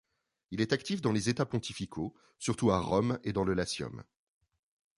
Il est actif dans les États pontificaux, surtout à Rome et dans le Latium.